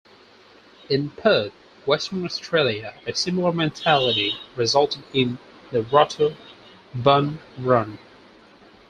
In Perth, Western Australia, a similar mentality resulted in the 'Rotto Bun Run'.